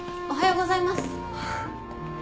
おはよう。